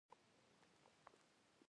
حساب ورکونه د مشروعیت نښه ده.